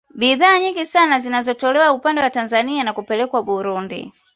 Bidhaa nyingi sana zinatolewa upande wa Tanzania na kupelekwa Burundi